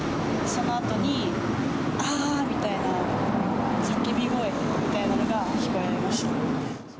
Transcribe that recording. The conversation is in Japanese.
そのあとに、あーみたいな、叫び声みたいなのが聞こえました。